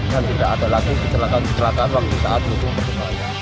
dan tidak ada lagi yang kita lakukan secara terang saat mendukung persebaya